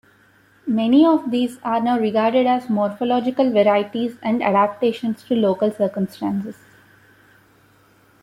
Many of these are now regarded as morphological varieties and adaptations to local circumstances.